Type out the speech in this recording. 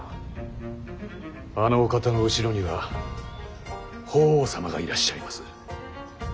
あのお方の後ろには法皇様がいらっしゃいます。